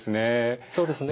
そうですね。